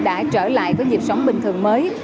đã trở lại với dịch sống bình thường mới